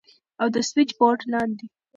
او تر سوېچبورډ لاندې.